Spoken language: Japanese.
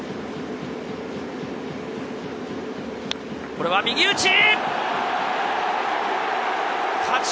これは右打ち！